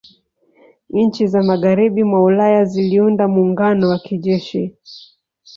Nchi za Magharibi mwa Ulaya ziliunda muungano wa kijeshi